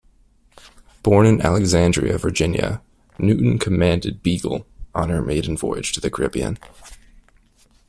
Born in Alexandria, Virginia, Newton commanded "Beagle" on her maiden voyage to the Caribbean.